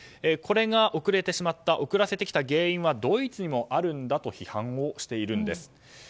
これが遅れてしまった遅らせてきた原因はドイツにもあるんだと批判をしているんです。